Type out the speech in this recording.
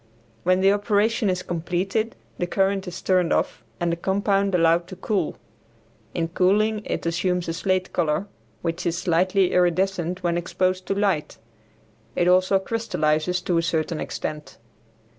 When the operation is completed the current is turned off and the compound allowed to cool. In cooling it assumes a slate color, which is slightly iridescent when exposed to light. It also crystallizes to a certain extent.